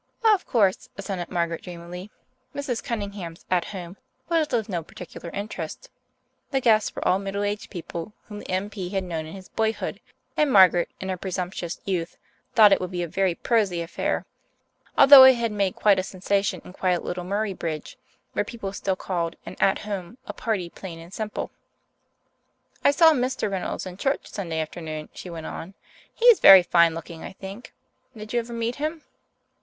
"Of course," assented Margaret dreamily. Mrs. Cunningham's "at home" was of no particular interest. The guests were all middle aged people whom the M.P. had known in his boyhood and Margaret, in her presumptuous youth, thought it would be a very prosy affair, although it had made quite a sensation in quiet little Murraybridge, where people still called an "at home" a party plain and simple. "I saw Mr. Reynolds in church Sunday afternoon," she went on. "He is very fine looking, I think. Did you ever meet him?"